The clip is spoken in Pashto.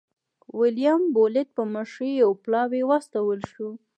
د ویلیم بولېټ په مشرۍ یو پلاوی واستول شو.